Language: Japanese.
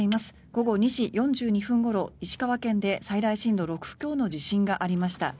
午後２時４２分ごろ石川県で最大震度６強の地震がありました。